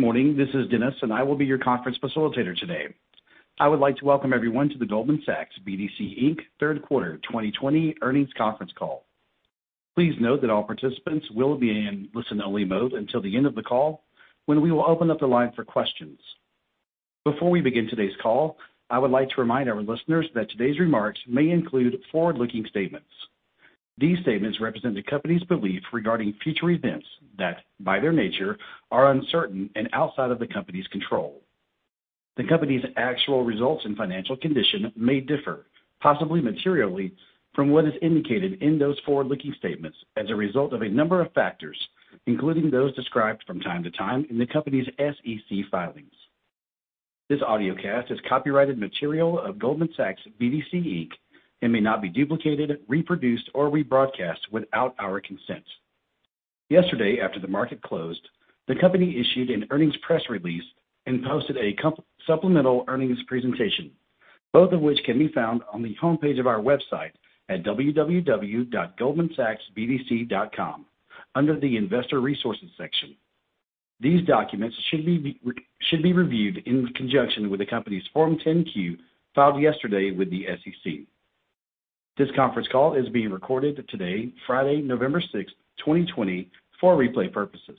Good morning, this is Dennis, and I will be your conference facilitator today. I would like to welcome everyone to the Goldman Sachs BDC Inc third quarter 2020 earnings conference call. Please note that all participants will be in listen-only mode until the end of the call, when we will open up the line for questions. Before we begin today's call, I would like to remind our listeners that today's remarks may include forward-looking statements. These statements represent the company's belief regarding future events that, by their nature, are uncertain and outside of the company's control. The company's actual results and financial condition may differ, possibly materially, from what is indicated in those forward-looking statements as a result of a number of factors, including those described from time to time in the company's SEC filings. This audio cast is copyrighted material of Goldman Sachs BDC Inc. and may not be duplicated, reproduced, or rebroadcast without our consent. Yesterday, after the market closed, the company issued an earnings press release and posted a supplemental earnings presentation, both of which can be found on the homepage of our website at www.goldmansachsbdc.com under the Investor Resources section. These documents should be reviewed in conjunction with the company's Form 10-Q filed yesterday with the SEC. This conference call is being recorded today, Friday, November 6th, 2020, for replay purposes.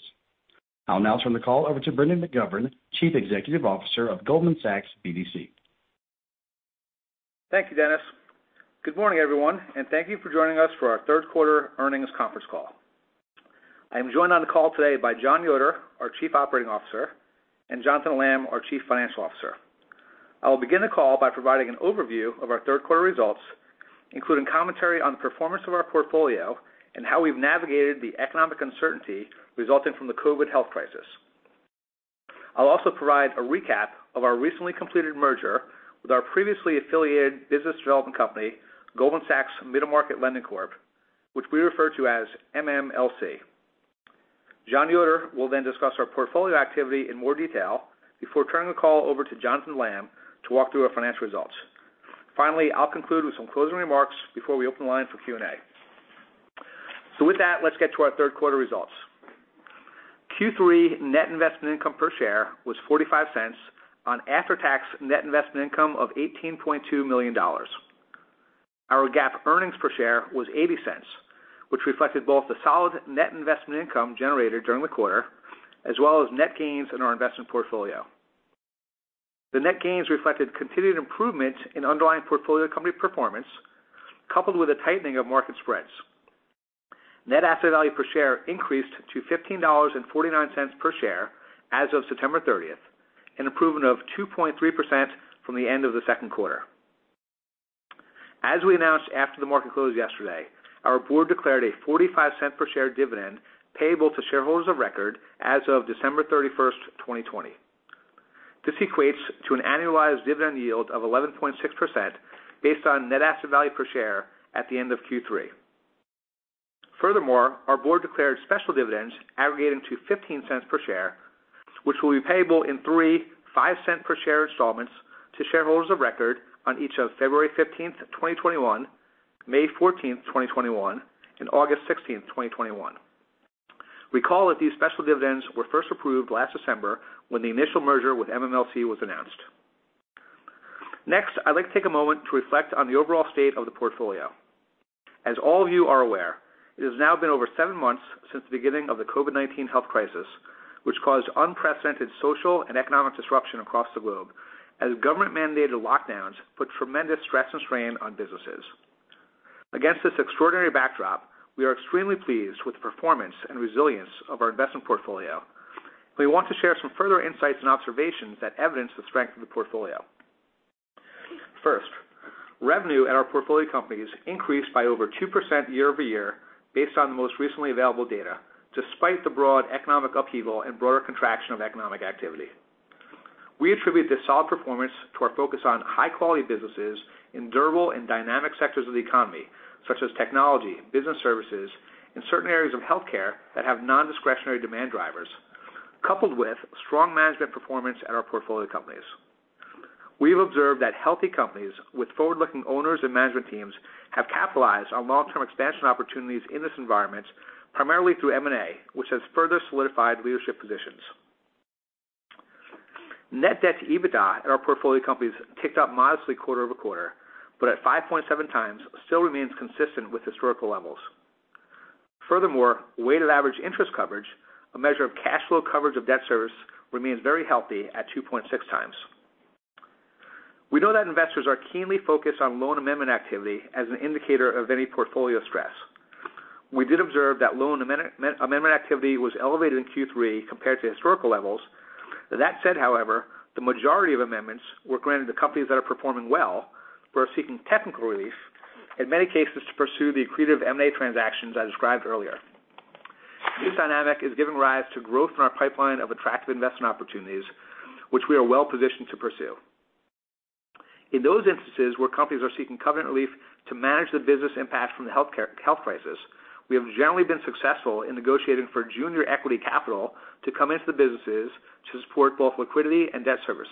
I'll now turn the call over to Brendan McGovern, Chief Executive Officer of Goldman Sachs BDC. Thank you, Dennis. Good morning, everyone, and thank you for joining us for our third quarter earnings conference call. I am joined on the call today by Jon Yoder, our Chief Operating Officer, and Jonathan Lamm, our Chief Financial Officer. I will begin the call by providing an overview of our Third Quarter results, including commentary on the performance of our portfolio and how we've navigated the economic uncertainty resulting from the COVID health crisis. I'll also provide a recap of our recently completed merger with our previously affiliated business development company, Goldman Sachs Middle Market Lending Corp, which we refer to as MMLC. Jon Yoder will then discuss our portfolio activity in more detail before turning the call over to Jonathan Lamm to walk through our financial results. Finally, I'll conclude with some closing remarks before we open the line for Q&A. With that, let's get to our third quarter results. Q3 net investment income per share was $0.45 on after-tax net investment income of $18.2 million. Our GAAP earnings per share was $0.80, which reflected both the solid net investment income generated during the quarter as well as net gains in our investment portfolio. The net gains reflected continued improvement in underlying portfolio company performance, coupled with a tightening of market spreads. Net asset value per share increased to $15.49 per share as of September 30th, 2020, an improvement of 2.3% from the end of the second quarter. As we announced after the market closed yesterday, our board declared a $0.45 per share dividend payable to shareholders of record as of December 31st, 2020. This equates to an annualized dividend yield of 11.6% based on net asset value per share at the end of Q3. Furthermore, our board declared special dividends aggregating to $0.15 per share, which will be payable in three $0.05 per share installments to shareholders of record on each of February 15th, 2021, May 14th, 2021, and August 16th, 2021. Recall that these special dividends were first approved last December when the initial merger with MMLC was announced. Next, I'd like to take a moment to reflect on the overall state of the portfolio. As all of you are aware, it has now been over seven months since the beginning of the COVID-19 health crisis, which caused unprecedented social and economic disruption across the globe as government-mandated lockdowns put tremendous stress and strain on businesses. Against this extraordinary backdrop, we are extremely pleased with the performance and resilience of our investment portfolio, and we want to share some further insights and observations that evidence the strength of the portfolio. First, revenue at our portfolio companies increased by over 2% year-over-year based on the most recently available data, despite the broad economic upheaval and broader contraction of economic activity. We attribute this solid performance to our focus on high-quality businesses in durable and dynamic sectors of the economy, such as technology, business services, and certain areas of healthcare that have non-discretionary demand drivers, coupled with strong management performance at our portfolio companies. We've observed that healthy companies with forward-looking owners and management teams have capitalized on long-term expansion opportunities in this environment, primarily through M&A, which has further solidified leadership positions. Net debt to EBITDA at our portfolio companies ticked up modestly quarter-over-quarter, but at 5.7x still remains consistent with historical levels. Furthermore, weighted average interest coverage, a measure of cash flow coverage of debt service, remains very healthy at 2.6x. We know that investors are keenly focused on loan amendment activity as an indicator of any portfolio stress. We did observe that loan amendment activity was elevated in Q3 compared to historical levels. That said, however, the majority of amendments were granted to companies that are performing well or seeking technical relief, in many cases to pursue the accretive M&A transactions I described earlier. This dynamic is giving rise to growth in our pipeline of attractive investment opportunities, which we are well positioned to pursue. In those instances where companies are seeking covenant relief to manage the business impact from the health crisis, we have generally been successful in negotiating for junior equity capital to come into the businesses to support both liquidity and debt service.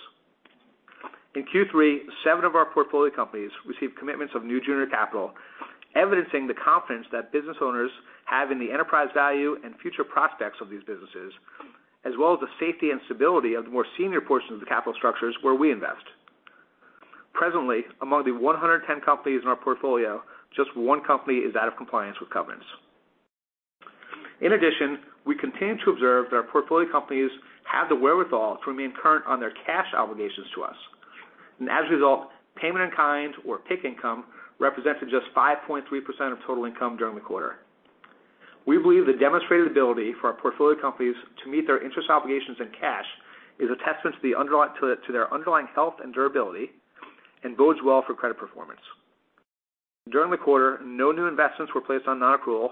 In Q3, seven of our portfolio companies received commitments of new junior capital, evidencing the confidence that business owners have in the enterprise value and future prospects of these businesses, as well as the safety and stability of the more senior portions of the capital structures where we invest. Presently, among the 110 companies in our portfolio, just one company is out of compliance with covenants. In addition, we continue to observe that our portfolio companies have the wherewithal to remain current on their cash obligations to us. As a result, payment in kind, or PIK income, represented just 5.3% of total income during the quarter. We believe the demonstrated ability for our portfolio companies to meet their interest obligations in cash is a testament to their underlying health and durability and bodes well for credit performance. During the quarter, no new investments were placed on non-accrual,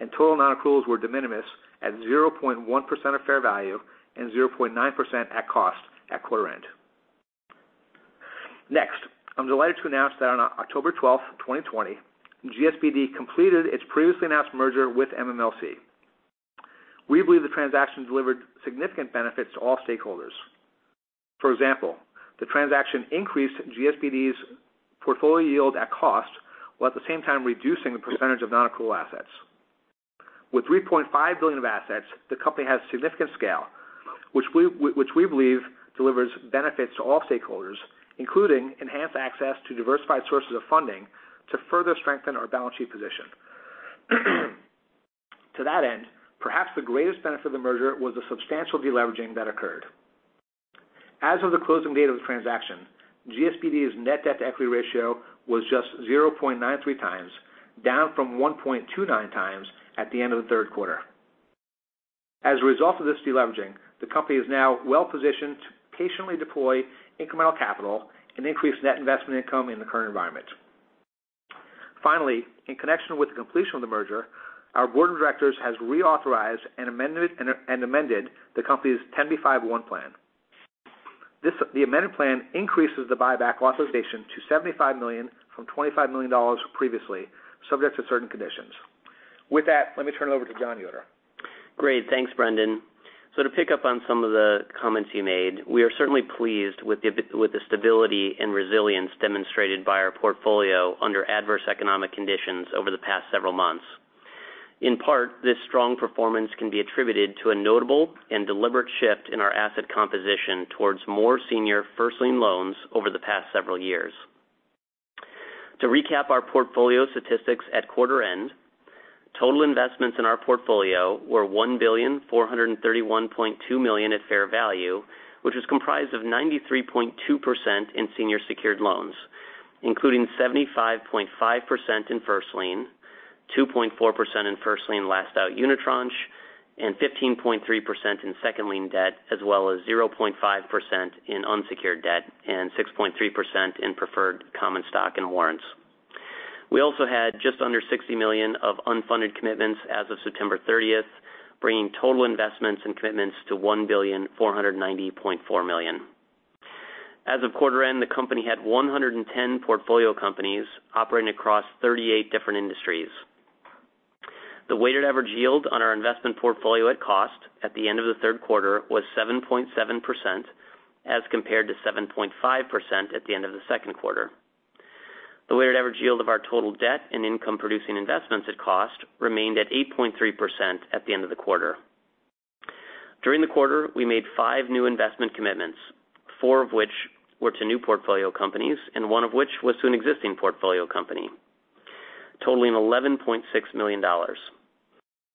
and total non-accruals were de minimis at 0.1% of fair value and 0.9% at cost at quarter end. Next, I'm delighted to announce that on October 12th, 2020, GSBD completed its previously announced merger with MMLC. We believe the transaction delivered significant benefits to all stakeholders. For example, the transaction increased GSBD's portfolio yield at cost while at the same time reducing the percentage of non-accrual assets. With $3.5 billion of assets, the company has significant scale, which we believe delivers benefits to all stakeholders, including enhanced access to diversified sources of funding to further strengthen our balance sheet position. To that end, perhaps the greatest benefit of the merger was the substantial deleveraging that occurred. As of the closing date of the transaction, GSBD's net debt to equity ratio was just 0.93x, down from 1.29x at the end of the third quarter. As a result of this deleveraging, the company is now well positioned to patiently deploy incremental capital and increase net investment income in the current environment. Finally, in connection with the completion of the merger, our board of directors has reauthorized and amended the company's 10b5-1 plan. The amended plan increases the buyback authorization to $75 million from $25 million previously, subject to certain conditions. With that, let me turn it over to Jon Yoder. Great. Thanks, Brendan. To pick up on some of the comments you made, we are certainly pleased with the stability and resilience demonstrated by our portfolio under adverse economic conditions over the past several months. In part, this strong performance can be attributed to a notable and deliberate shift in our asset composition towards more senior first lien loans over the past several years. To recap our portfolio statistics at quarter end, total investments in our portfolio were $1.4312 billion at fair value, which was comprised of 93.2% in senior secured loans, including 75.5% in first lien, 2.4% in first lien last-out unitranche, and 15.3% in second lien debt, as well as 0.5% in unsecured debt and 6.3% in preferred, common stock and warrants. We also had just under $60 million of unfunded commitments as of September 30th, bringing total investments and commitments to $1.4904 billion. As of quarter end, the company had 110 portfolio companies operating across 38 different industries. The weighted average yield on our investment portfolio at cost at the end of the third quarter was 7.7%, as compared to 7.5% at the end of the second quarter. The weighted average yield of our total debt and income-producing investments at cost remained at 8.3% at the end of the quarter. During the quarter, we made five new investment commitments, four of which were to new portfolio companies and one of which was to an existing portfolio company, totaling $11.6 million.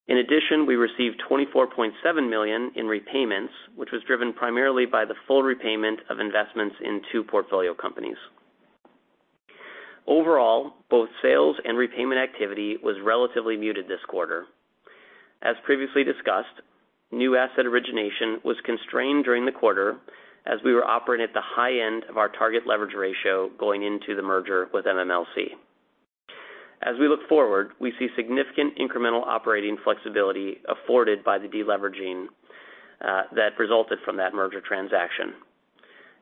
In addition, we received $24.7 million in repayments, which was driven primarily by the full repayment of investments in two portfolio companies. Overall, both sales and repayment activity was relatively muted this quarter. As previously discussed, new asset origination was constrained during the quarter as we were operating at the high end of our target leverage ratio going into the merger with MMLC. As we look forward, we see significant incremental operating flexibility afforded by the deleveraging that resulted from that merger transaction.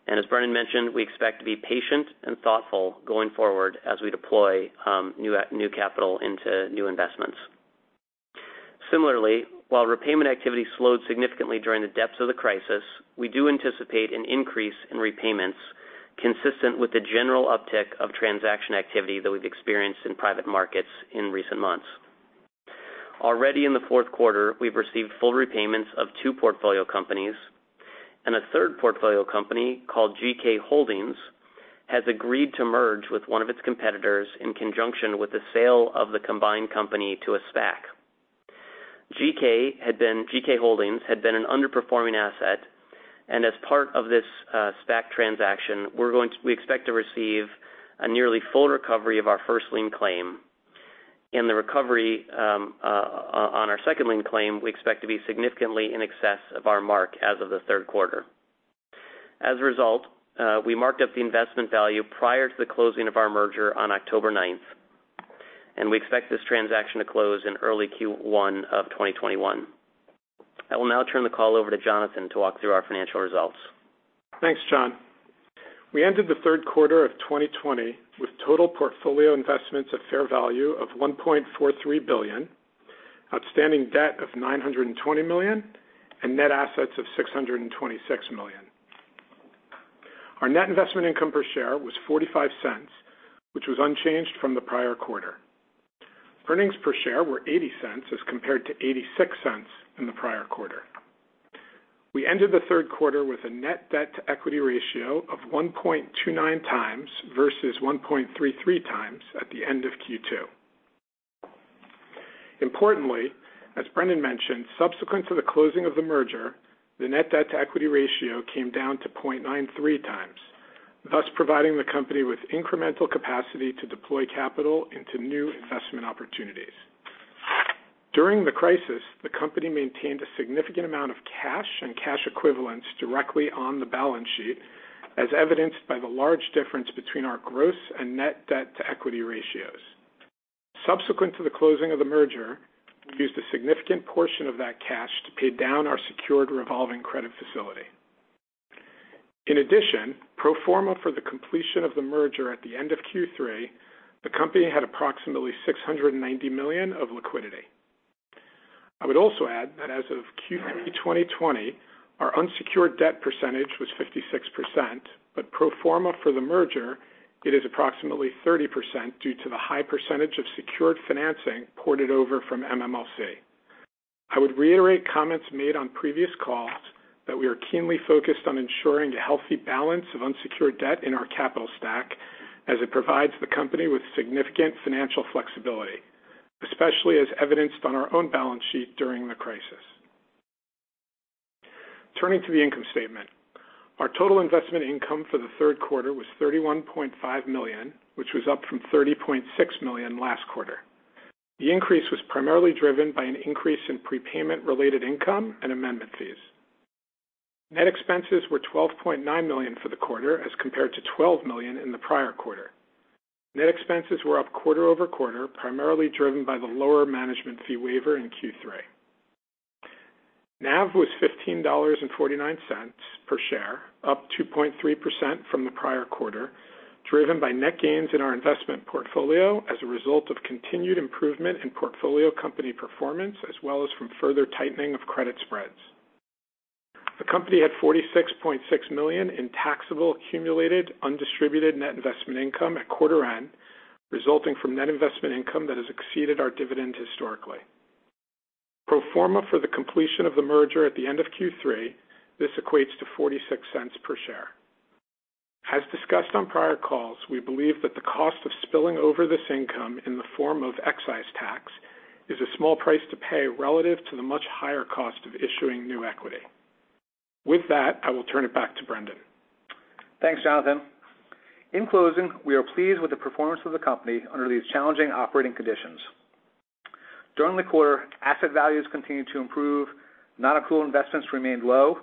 As Brendan mentioned, we expect to be patient and thoughtful going forward as we deploy new capital into new investments. Similarly, while repayment activity slowed significantly during the depths of the crisis, we do anticipate an increase in repayments consistent with the general uptick of transaction activity that we've experienced in private markets in recent months. Already in the fourth quarter, we've received full repayments of two portfolio companies, and a third portfolio company called GK Holdings has agreed to merge with one of its competitors in conjunction with the sale of the combined company to a SPAC. GK Holdings had been an underperforming asset, and as part of this SPAC transaction, we expect to receive a nearly full recovery of our first lien claim. In the recovery on our second lien claim, we expect to be significantly in excess of our mark as of the third quarter. As a result, we marked up the investment value prior to the closing of our merger on October 9th, and we expect this transaction to close in early Q1 of 2021. I will now turn the call over to Jonathan to walk through our financial results. Thanks, Jon. We ended the third quarter of 2020 with total portfolio investments at fair value of $1.43 billion, outstanding debt of $920 million, and net assets of $626 million. Our net investment income per share was $0.45, which was unchanged from the prior quarter. Earnings per share were $0.80 as compared to $0.86 in the prior quarter. We ended the third quarter with a net debt to equity ratio of 1.29x versus 1.33x at the end of Q2. Importantly, as Brendan mentioned, subsequent to the closing of the merger, the net debt to equity ratio came down to 0.93x, thus providing the company with incremental capacity to deploy capital into new investment opportunities. During the crisis, the company maintained a significant amount of cash and cash equivalents directly on the balance sheet, as evidenced by the large difference between our gross and net debt to equity ratios. Subsequent to the closing of the merger, we used a significant portion of that cash to pay down our secured revolving credit facility. In addition, pro forma for the completion of the merger at the end of Q3, the company had approximately $690 million of liquidity. I would also add that as of Q3 2020, our unsecured debt percentage was 56%, but pro forma for the merger, it is approximately 30% due to the high percentage of secured financing ported over from MMLC. I would reiterate comments made on previous calls that we are keenly focused on ensuring a healthy balance of unsecured debt in our capital stack, as it provides the company with significant financial flexibility, especially as evidenced on our own balance sheet during the crisis. Turning to the income statement, our total investment income for the third quarter was $31.5 million, which was up from $30.6 million last quarter. The increase was primarily driven by an increase in prepayment-related income and amendment fees. Net expenses were $12.9 million for the quarter as compared to $12 million in the prior quarter. Net expenses were up quarter-over-quarter, primarily driven by the lower management fee waiver in Q3. NAV was $15.49 per share, up 2.3% from the prior quarter, driven by net gains in our investment portfolio as a result of continued improvement in portfolio company performance, as well as from further tightening of credit spreads. The company had $46.6 million in taxable accumulated undistributed net investment income at quarter end, resulting from net investment income that has exceeded our dividend historically. Pro forma for the completion of the merger at the end of Q3, this equates to $0.46 per share. As discussed on prior calls, we believe that the cost of spilling over this income in the form of excise tax is a small price to pay relative to the much higher cost of issuing new equity. With that, I will turn it back to Brendan. Thanks, Jonathan. In closing, we are pleased with the performance of the company under these challenging operating conditions. During the quarter, asset values continued to improve, non-accrual investments remained low,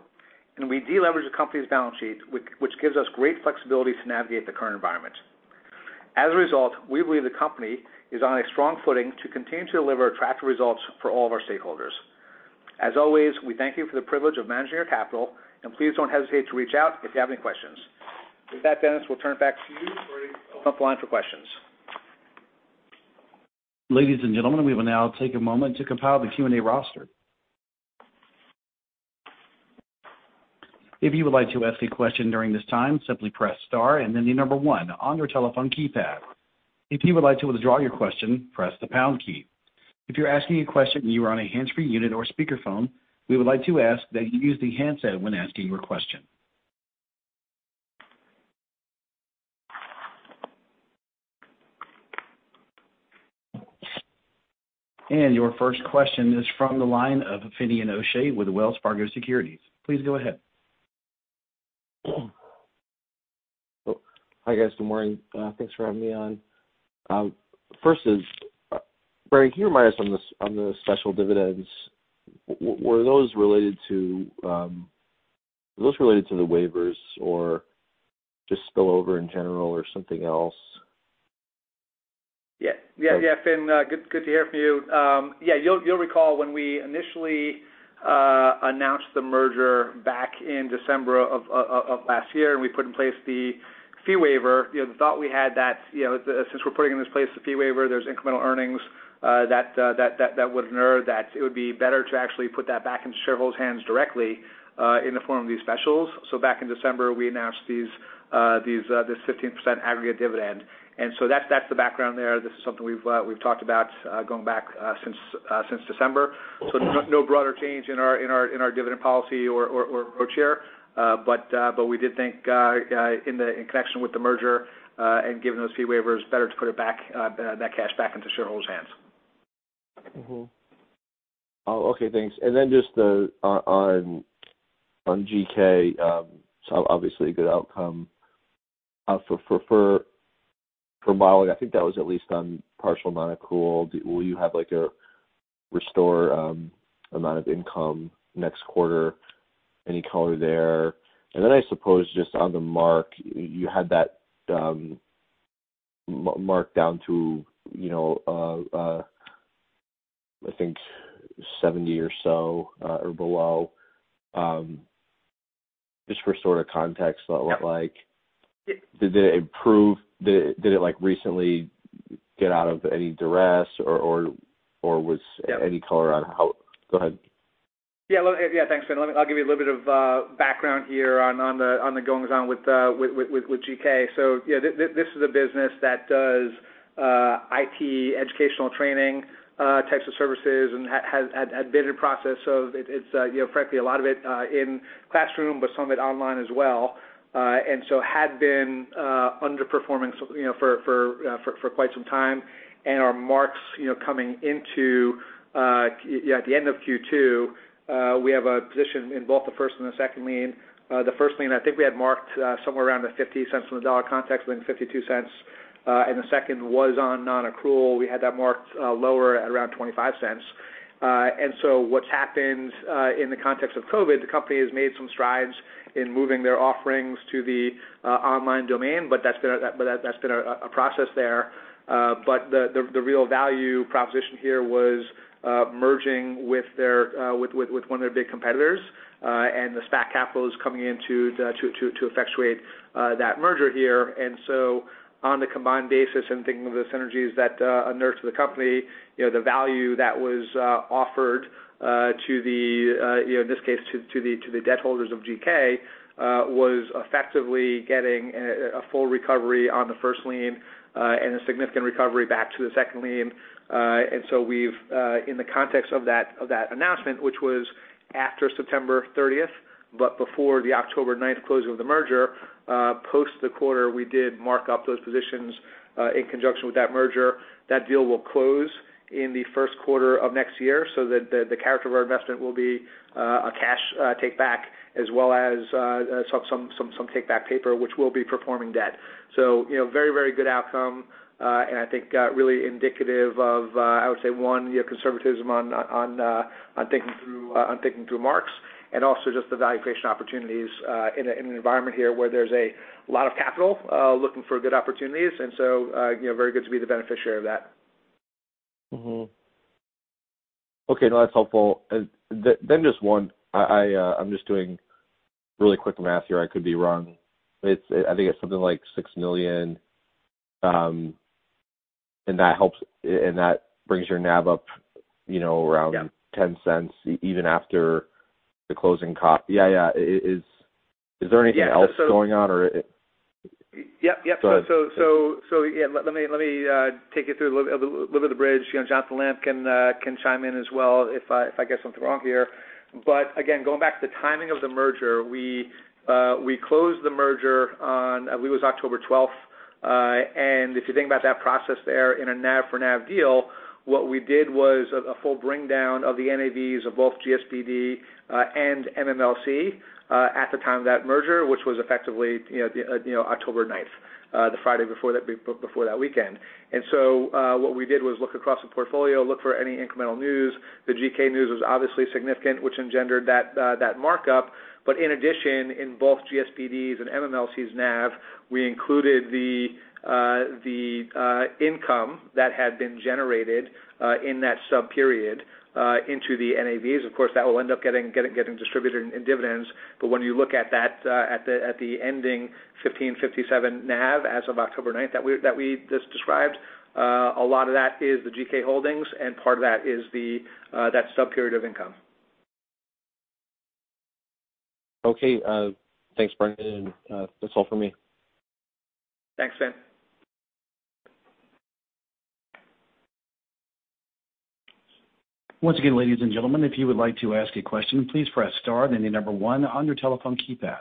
and we deleveraged the company's balance sheet, which gives us great flexibility to navigate the current environment. As a result, we believe the company is on a strong footing to continue to deliver attractive results for all of our stakeholders. As always, we thank you for the privilege of managing your capital, and please don't hesitate to reach out if you have any questions. With that, Dennis, we'll turn it back to you to open up the line for questions. Ladies and gentlemen, we will now take a moment to compile the Q&A roster. If you would like to ask a question during this time, simply press star and then the number one on your telephone keypad. If you would like to withdraw your question, press the pound key. If you're asking a question and you are on a hands-free unit or speakerphone, we would like to ask that you use the handset when asking your question. Your first question is from the line of Finian O'Shea with Wells Fargo Securities. Please go ahead. Hi, guys. Good morning. Thanks for having me on. First is, Brendan, can you remind us on the special dividends? Were those related to the waivers or just spillover in general or something else? Yeah. Yeah, yeah. Finn, good to hear from you. Yeah, you'll recall when we initially announced the merger back in December of last year and we put in place the fee waiver. The thought we had was that since we're putting in this place the fee waiver, there's incremental earnings that would enter that it would be better to actually put that back into shareholders' hands directly in the form of these specials. Back in December, we announced this 15% aggregate dividend. That's the background there. This is something we've talked about going back since December. No broader change in our dividend policy or chair, but we did think in connection with the merger and giving those fee waivers, better to put that cash back into shareholders' hands. Oh, okay. Thanks. Just on GK, obviously a good outcome for Borrowing. I think that was at least on partial non-accrual. Will you have a restore amount of income next quarter? Any color there? I suppose just on the mark, you had that marked down to, I think, 70 or so or below. Just for sort of context, did it improve? Did it recently get out of any duress or was any color on how? Go ahead. Yeah. Yeah. Thanks, Finn. I'll give you a little bit of background here on the goings-on with GK. This is a business that does IT educational training types of services and had been in the process of, frankly, a lot of it in classroom, but some of it online as well. It had been underperforming for quite some time. Our marks coming into at the end of Q2, we have a position in both the first and the second lien. The first lien, I think we had marked somewhere around the $0.50 on the dollar context, then $0.52. The second was on non-accrual. We had that marked lower at around $0.25. What's happened in the context of COVID, the company has made some strides in moving their offerings to the online domain, but that's been a process there. The real value proposition here was merging with one of their big competitors and the SPAC capital is coming in to effectuate that merger here. On the combined basis and thinking of the synergies that inure to the company, the value that was offered to the, in this case, to the debt holders of GK was effectively getting a full recovery on the first lien and a significant recovery back to the second lien. In the context of that announcement, which was after September 30th, but before the October 9th closing of the merger, post the quarter, we did mark up those positions in conjunction with that merger. That deal will close in the first quarter of next year. The character of our investment will be a cash take-back as well as some take-back paper, which will be performing debt. Very, very good outcome and I think really indicative of, I would say, one, conservatism on thinking through marks and also just the valuation opportunities in an environment here where there's a lot of capital looking for good opportunities. Very good to be the beneficiary of that. Okay. No, that's helpful. Then just one, I'm just doing really quick math here. I could be wrong. I think it's something like $6 million. And that helps and that brings your NAV up around $0.10 even after the closing cost. Yeah, yeah. Is there anything else going on or? Yep, yep. Yeah, let me take you through a little bit of the bridge. Jonathan Lamm can chime in as well if I get something wrong here. Again, going back to the timing of the merger, we closed the merger on, I believe, it was October 12th. If you think about that process there in a NAV for NAV deal, what we did was a full bring down of the NAVs of both GSBD and MMLC at the time of that merger, which was effectively October 9th, the Friday before that weekend. What we did was look across the portfolio, look for any incremental news. The GK news was obviously significant, which engendered that markup. In addition, in both GSBD's and MMLC's NAV, we included the income that had been generated in that sub-period into the NAVs. Of course, that will end up getting distributed in dividends. When you look at that at the ending $15.57 NAV as of October 9th that we just described, a lot of that is the GK Holdings and part of that is that sub-period of income. Okay. Thanks, Brendan. That's all for me. Thanks, Finn. Once again, ladies and gentlemen, if you would like to ask a question, please press star and then the number one on your telephone keypad.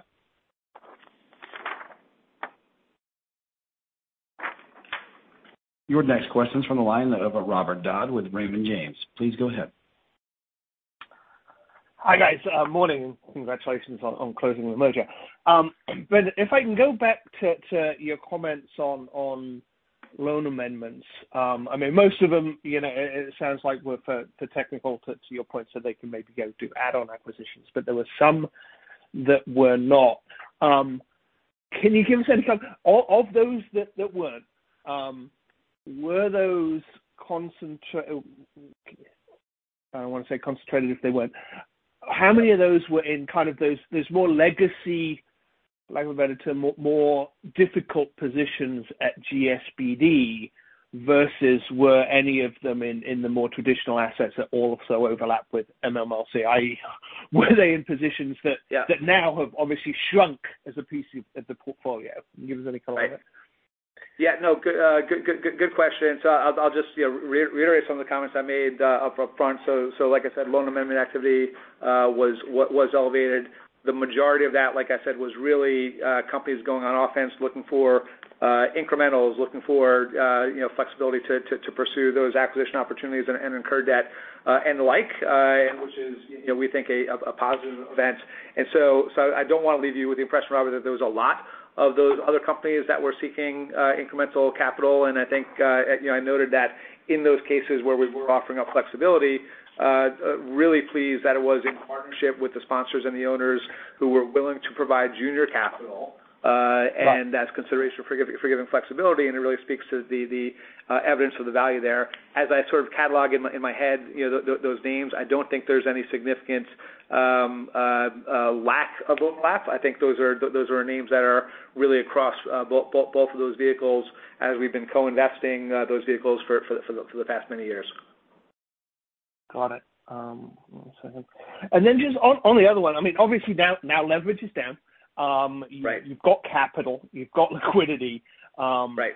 Your next question is from the line of Robert Dodd with Raymond James. Please go ahead. Hi, guys. Morning. Congratulations on closing the merger. Brendan, if I can go back to your comments on loan amendments, I mean, most of them, it sounds like were for technical, to your point, so they can maybe go do add-on acquisitions, but there were some that were not. Can you give us any kind of of those that weren't, were those concentrated? I don't want to say concentrated if they weren't. How many of those were in kind of those more legacy, lack of a better term, more difficult positions at GSBD versus were any of them in the more traditional assets that also overlap with MMLC? Were they in positions that now have obviously shrunk as a piece of the portfolio? Can you give us any color on that? Yeah. No, good question. I'll just reiterate some of the comments I made up front. Like I said, loan amendment activity was elevated. The majority of that, like I said, was really companies going on offense looking for incrementals, looking for flexibility to pursue those acquisition opportunities and incur debt and the like, which is, we think, a positive event. I don't want to leave you with the impression, Robert, that there was a lot of those other companies that were seeking incremental capital. I think I noted that in those cases where we were offering up flexibility, really pleased that it was in partnership with the sponsors and the owners who were willing to provide junior capital. That's consideration for giving flexibility. It really speaks to the evidence of the value there. As I sort of catalog in my head those names, I don't think there's any significant lack of overlap. I think those are names that are really across both of those vehicles as we've been co-investing those vehicles for the past many years. Got it. One second. And then just on the other one, I mean, obviously, now leverage is down. You've got capital. You've got liquidity. What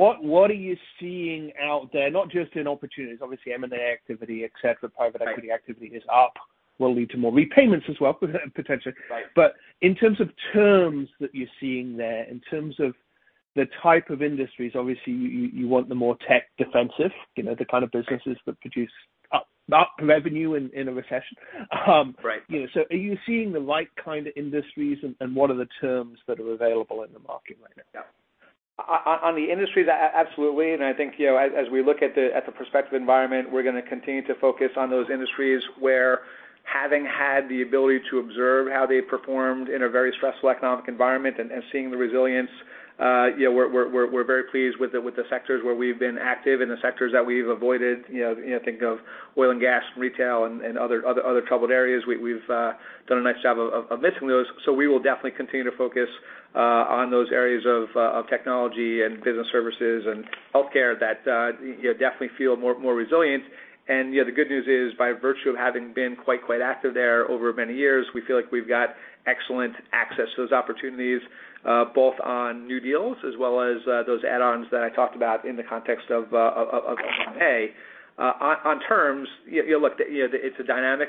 are you seeing out there? Not just in opportunities, obviously, M&A activity, etc., private equity activity is up, will lead to more repayments as well, potentially. But in terms of terms that you're seeing there, in terms of the type of industries, obviously, you want the more tech defensive, the kind of businesses that produce up revenue in a recession. So are you seeing the right kind of industries and what are the terms that are available in the market right now? On the industries, absolutely. I think as we look at the prospective environment, we're going to continue to focus on those industries where having had the ability to observe how they performed in a very stressful economic environment and seeing the resilience, we're very pleased with the sectors where we've been active and the sectors that we've avoided. Think of oil and gas, retail, and other troubled areas. We've done a nice job of missing those. We will definitely continue to focus on those areas of technology and business services and healthcare that definitely feel more resilient. The good news is, by virtue of having been quite, quite active there over many years, we feel like we've got excellent access to those opportunities, both on new deals as well as those add-ons that I talked about in the context of M&A. On terms, look, it's a dynamic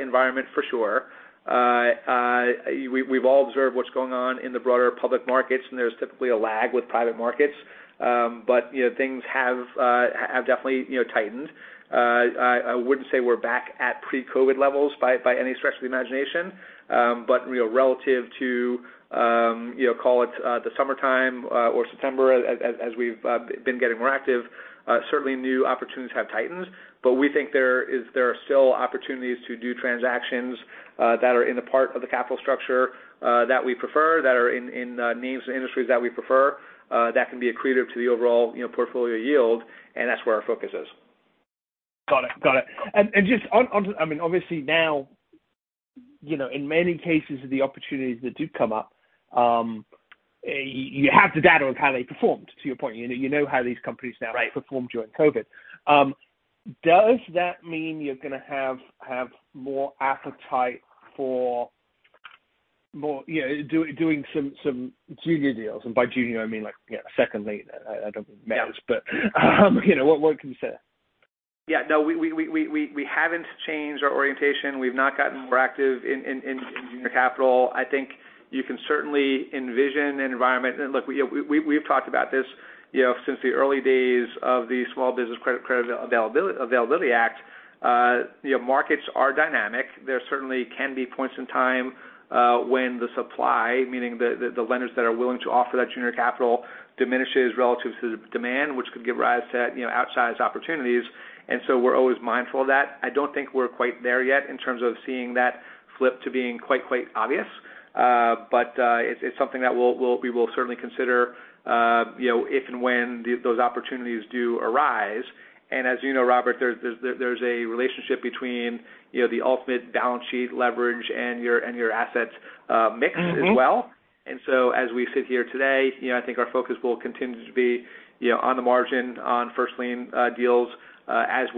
environment for sure. We've all observed what's going on in the broader public markets, and there's typically a lag with private markets. Things have definitely tightened. I wouldn't say we're back at pre-COVID levels by any stretch of the imagination. Relative to, call it the summertime or September, as we've been getting more active, certainly new opportunities have tightened. We think there are still opportunities to do transactions that are in the part of the capital structure that we prefer, that are in names and industries that we prefer, that can be accretive to the overall portfolio yield. That's where our focus is. Got it. Got it. Just on, I mean, obviously, now, in many cases, the opportunities that do come up, you have the data of how they performed, to your point. You know how these companies now performed during COVID. Does that mean you're going to have more appetite for doing some junior deals? By junior, I mean second lien, I don't mean males, but what can you say? Yeah. No, we haven't changed our orientation. We've not gotten more active in junior capital. I think you can certainly envision an environment. Look, we've talked about this since the early days of the Small Business Credit Availability Act. Markets are dynamic. There certainly can be points in time when the supply, meaning the lenders that are willing to offer that junior capital, diminishes relative to the demand, which could give rise to outsized opportunities. We are always mindful of that. I don't think we're quite there yet in terms of seeing that flip to being quite, quite obvious. It is something that we will certainly consider if and when those opportunities do arise. As you know, Robert, there's a relationship between the ultimate balance sheet leverage and your assets mix as well. As we sit here today, I think our focus will continue to be on the margin, on first lien deals, and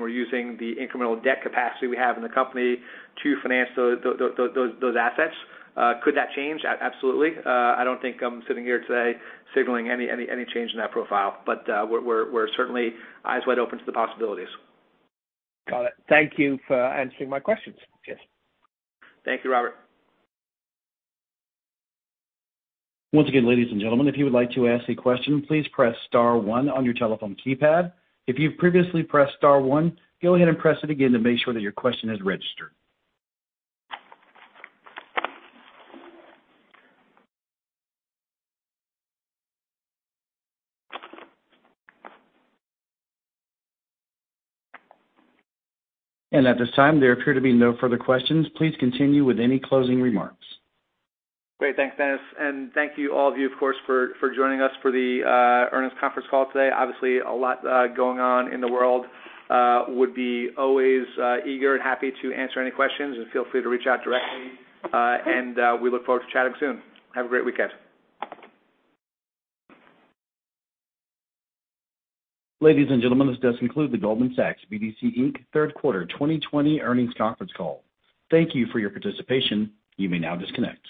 we're using the incremental debt capacity we have in the company to finance those assets. Could that change? Absolutely. I don't think I'm sitting here today signaling any change in that profile. We're certainly eyes wide open to the possibilities. Got it. Thank you for answering my questions, Jess. Thank you, Robert. Once again, ladies and gentlemen, if you would like to ask a question, please press star one on your telephone keypad. If you've previously pressed star one, go ahead and press it again to make sure that your question is registered. At this time, there appear to be no further questions. Please continue with any closing remarks. Great. Thanks, Dennis. Thank you, all of you, of course, for joining us for the earnings conference call today. Obviously, a lot going on in the world. Would be always eager and happy to answer any questions. Feel free to reach out directly. We look forward to chatting soon. Have a great weekend. Ladies and gentlemen, this does conclude the Goldman Sachs BDC Inc third quarter 2020 earnings conference call. Thank you for your participation. You may now disconnect.